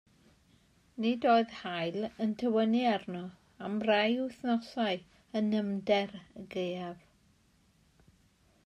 Nid oedd haul yn tywynnu arno am rai wythnosau yn nyfnder y gaeaf.